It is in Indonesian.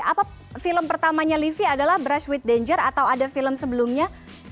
apa film pertamanya livi adalah brush with danger atau ada film sebelumnya